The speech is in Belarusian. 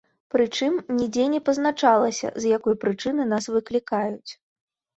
Прычым, нідзе не пазначалася з якой прычыны нас выклікаюць.